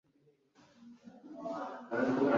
bwahamagariye abanyeshuri gukunda isomo ry’imibare